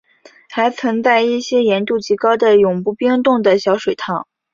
还存在一些盐度极高的永不冰冻的小水塘。